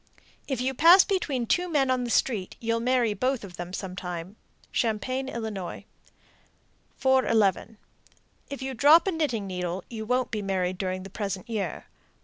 If you pass between two men on the street, you'll marry both of them sometime. Champaign, Ill. 411. If you drop a knitting needle, you won't be married during the present year.